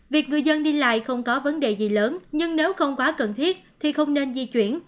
việc người dân đi lại không có vấn đề gì lớn nhưng nếu không quá cần thiết thì không nên di chuyển